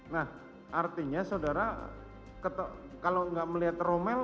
nah artinya saudara kalau nggak melihat romel